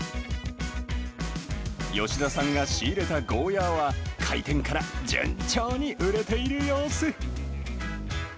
吉田さんが仕入れたゴーヤは、開店から順調に売れている様子。